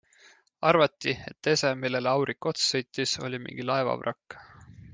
Arvati, et ese, millele aurik otsa sõitis, oli mingi laeva vrakk.